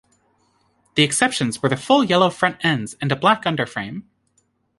The exceptions were the full yellow front ends and a black underframe.